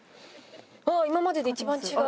あっ今までで一番違う。